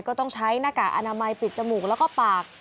ก็ต้องใช้หน้ากากอนามัยปิดจมูกแล้วก็ปาก